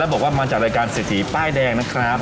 และบอกว่ามาจากรายการเสถียร์ป้ายแดงนะครับ